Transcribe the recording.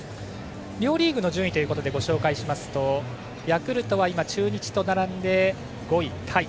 両リーグの順位ということでご紹介しますとヤクルトは中日と並んで５位タイ。